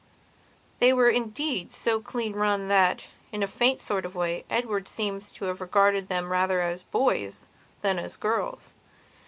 They were indeed so clean run that, in a faint sort of way, Edward seems to have regarded them rather as boys than as girls.